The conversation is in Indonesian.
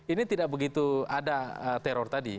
ini tidak begitu ada teror tadi